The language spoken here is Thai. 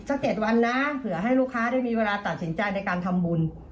สัก๗วันนะเผื่อให้ลูกค้าได้มีเวลาตัดสินใจในการทำบุญ